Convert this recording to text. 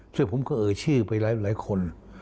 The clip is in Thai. ซึ่งผมก็เอ่ยชื่อไปหลายคน